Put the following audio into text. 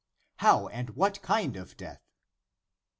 " How and what kind of death